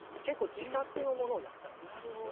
結構自作のものをやったり。